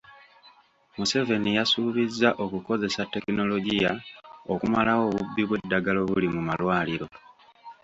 Museveni yasuubizza okukozesa tekinologiya okumalawo obubbi bw'eddagala obuli mu malwaliro